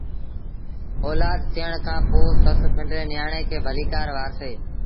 اوآد ٿيڻ کآݩ پو سس پنڊري نيٚآڻي کي ڀليٚڪآر وآرسي